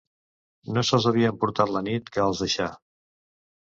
No se’ls havia emportat la nit que els deixà.